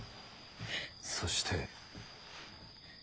そして。